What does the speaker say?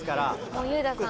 裕太さん